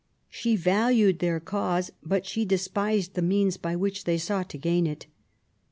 She valued their cause, but she de spised the means by which they sought to gain it.